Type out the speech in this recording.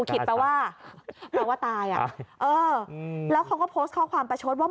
ก็ว่าตายอ่ะแล้วเขาก็โค้ชข้อความประโชทว่า